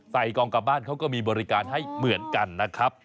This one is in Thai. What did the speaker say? กองกลับบ้านเขาก็มีบริการให้เหมือนกันนะครับ